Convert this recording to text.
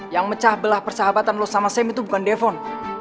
yang mecah belah persahabatan los sama sam itu bukan defon